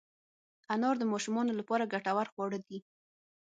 انار د ماشومانو لپاره ګټور خواړه دي.